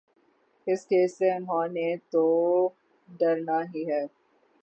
اس case سے انہوں نے تو ڈرنا ہی ہے۔